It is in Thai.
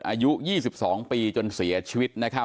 อายุ๒๒ปีจนเสียชีวิต